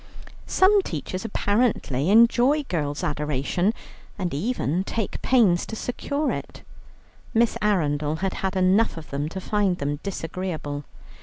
Some teachers apparently enjoy girl adorations, and even take pains to secure them. Miss Arundel had had enough of them to find them disagreeable.